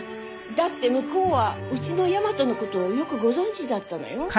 だって向こうはうちの大和の事をよくご存じだったのよ。